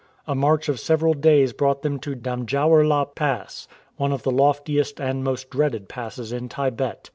A march of several days brought them to the Dam jau er la Pass, one of the loftiest and most dreaded passes in Tibet.